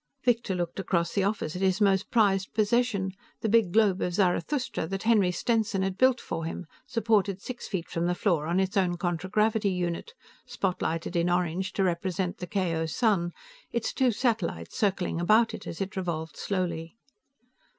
Victor looked across the office at his most prized possession, the big globe of Zarathustra that Henry Stenson had built for him, supported six feet from the floor on its own contragravity unit, spotlighted in orange to represent the KO sun, its two satellites circling about it as it revolved slowly.